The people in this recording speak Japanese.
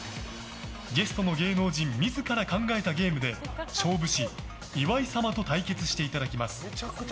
ゲストの芸能人自ら考えたゲームで勝負師・岩井様と対決していただきます。